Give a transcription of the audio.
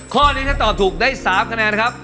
ข้อนี้ถ้าตอบถูกได้๓คะแนนนะครับ